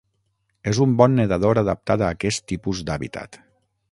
És un bon nedador adaptat a aquest tipus d'hàbitat.